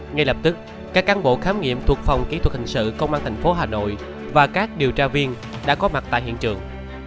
ngay lập tức các cán bộ khám nghiệm thuộc phòng kỹ thuật hình sự công an tp hà nội và các điều tra viên đã có mặt tại hiện trường